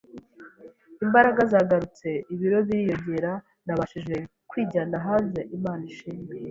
imbaraga zaragarutse, ibiro biriyongera. Nabashije kwijyana hanze! Imana ishimwe!